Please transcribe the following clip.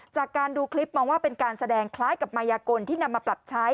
จากการดูคลิปมองว่าเป็นการแสดงคล้ายกับมายากลที่นำมาปรับใช้